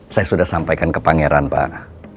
saya sudah sampaikan ke pangeran pak